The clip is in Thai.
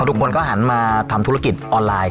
ทุกคนก็หันมาทำธุรกิจออนไลน์